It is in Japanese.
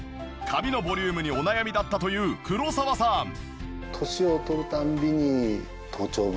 髪のボリュームにお悩みだったという黒澤さん